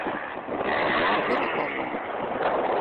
ГурыӀуэгъуэ?